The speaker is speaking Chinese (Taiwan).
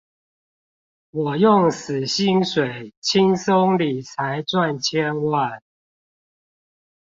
我用死薪水輕鬆理財賺千萬